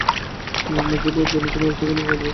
মেজোবউ, জানি তোমার মনে একটুখানি বাজে।